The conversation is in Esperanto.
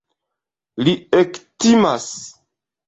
Li ektimas.